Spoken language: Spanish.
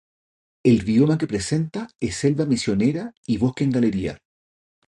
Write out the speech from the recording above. El bioma que presenta es selva misionera y bosque en galería.